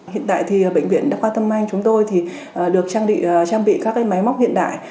hiện tại thì bệnh viện đa khoa tâm anh chúng tôi được trang bị các máy móc hiện đại